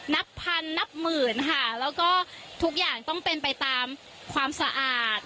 นับพันนับหมื่นค่ะแล้วก็ทุกอย่างต้องเป็นไปตามความสะอาด